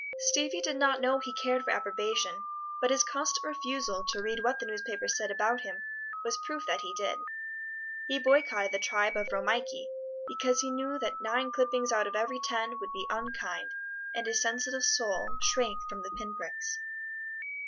Stevie did not know he cared for approbation, but his constant refusal to read what the newspapers said about him was proof that he did. He boycotted the tribe of Romeike, because he knew that nine clippings out of every ten would be unkind, and his sensitive soul shrank from the pin pricks.